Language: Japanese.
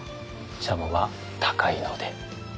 しゃもは高いので。